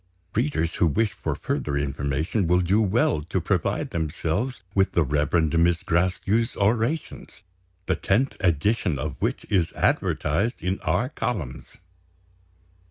Readers who wish for further information will do well to provide themselves with the Reverend Miss Gracedieu's Orations the tenth edition of which is advertised in our columns."